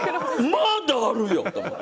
まだあるよ！って。